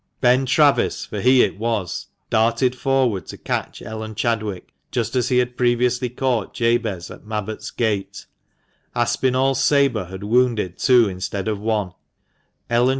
Ben Travis, for he it was, darted forward to catch Ellen Chadwick, just as he had previously caught Jabez at Mabbott's gate :— AspinalPs sabre had wounded two instead of one— Ellen 184 !THE MANCHESTER MAN.